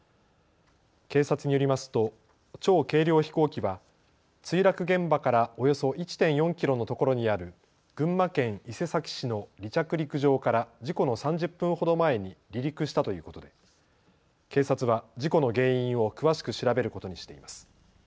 警察によりますと超軽量飛行機は墜落現場からおよそ１．４キロのところにある群馬県伊勢崎市の離着陸場から事故の３０分ほど前に離陸したということで警察は事故の原因を詳しく調べることにしています。